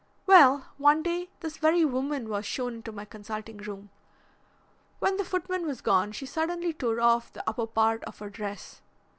Well, one day this very woman was shown into my consulting room. When the footman was gone she suddenly tore off the upper part of her dress.